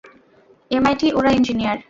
MIT, ওরা engineer.